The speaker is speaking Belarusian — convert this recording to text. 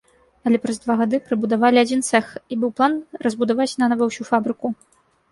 Але праз два гады прыбудавалі адзін цэх, і быў план разбудаваць нанава ўсю фабрыку.